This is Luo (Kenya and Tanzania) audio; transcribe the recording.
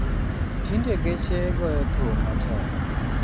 Tinde geche goyo thum matek